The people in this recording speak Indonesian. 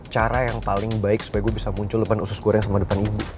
cara yang paling baik supaya gue bisa muncul depan usus goreng sama depan ibu